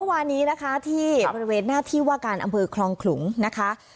วานี้นะคะที่บริเวณหน้าที่ว่าการอำเภอคลองขลุงนะคะ